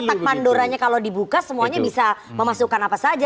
karena kan kotak mandoranya kalau dibuka semuanya bisa memasukkan apa saja di situ bang